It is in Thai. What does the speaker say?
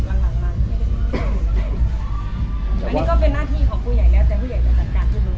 อันนี้ก็เป็นหน้าที่ของครูใหญ่แล้วแต่ผู้ใหญ่จะจัดการให้ดู